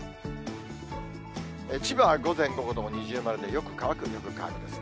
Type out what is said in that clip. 千葉は午前午後とも二重丸で、よく乾く、よく乾くですね。